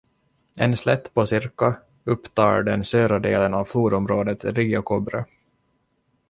En slätt på cirka upptar den södra delen av flodområdet Rio Cobre.